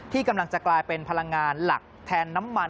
กำลังจะกลายเป็นพลังงานหลักแทนน้ำมัน